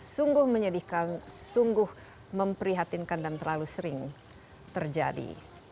sungguh menyedihkan sungguh memprihatinkan dan terlalu sering terjadi